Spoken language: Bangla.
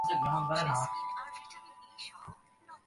কিন্তু এখন পর্যন্ত ব্যবস্থা গ্রহণ করা হচ্ছে না।